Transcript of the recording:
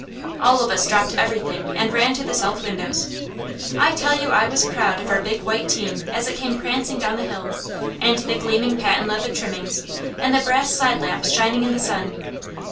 All of us dropped everything and ran to the south windows. I tell you I was proud of our big white team as it came prancing down the hill, and the gleaming patent leather trimmings, and the brass side lamps shining in the sun.